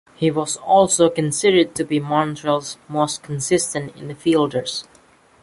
He was also considered to be Montreal's most consistent infielder.